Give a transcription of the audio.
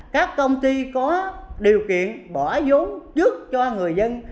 các công ty có điều kiện bỏ giống trước cho người dân